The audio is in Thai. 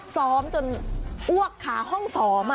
พร้อมจนอ้วกขาห้องฟอร์ม